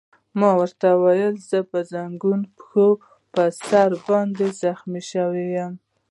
ما ورته وویل: زه په زنګون، پښو او پر سر باندې زخمي شوی یم.